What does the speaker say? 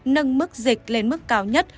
nâng mức dịch lên mức cao nhất